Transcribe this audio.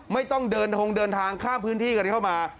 ไม่ต้องเดินทงเดินทางข้ามพื้นที่กันเข้ามา